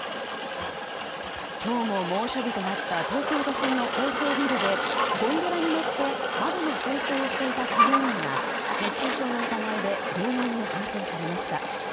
今日も猛暑日となった東京都心の高層ビルでゴンドラに乗って窓の清掃をしていた作業員が熱中症の疑いで病院に搬送されました。